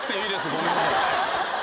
ごめんなさい。